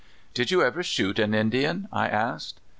" Did you ever shoot an Indian?'" I asked.